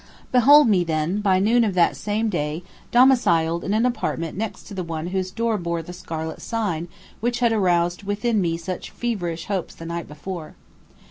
Behold me, then, by noon of that same day domiciled in an apartment next to the one whose door bore that scarlet sign which had aroused within me such feverish hopes the night before.